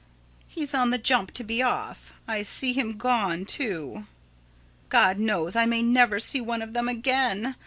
He's on the jump to be off. I see him gone, too. God knows I may never see one of them again.